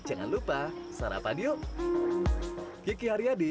jangan lupa sarapan yuk